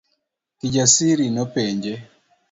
Kijasiri nopenje.